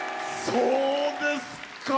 そうですか。